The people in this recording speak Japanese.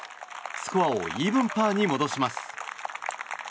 スコアをイーブンパーに戻します。